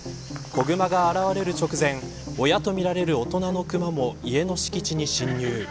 子グマが現れる直前親とみられる大人のクマも家の敷地に侵入。